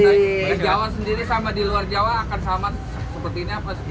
di jawa sendiri sama di luar jawa akan sama seperti ini apa sih